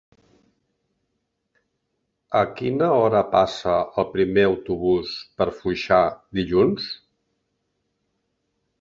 A quina hora passa el primer autobús per Foixà dilluns?